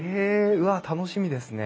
うわっ楽しみですね。